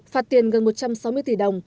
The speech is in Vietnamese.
phạt tiền gần một trăm sáu mươi tỷ đồng